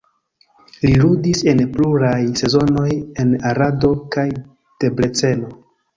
Li ludis en pluraj sezonoj en Arado kaj Debreceno.